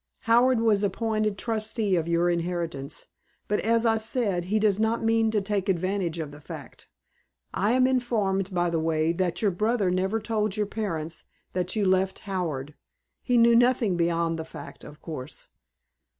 "Howard was appointed trustee of your inheritance, but as I said, he does not mean to take advantage of the fact. I am informed, by the way, that your brother never told your parents that you had left Howard. He knew nothing beyond the fact, of course."